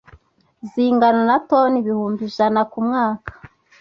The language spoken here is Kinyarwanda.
zingana na toni ibihumbi ijana ku mwaka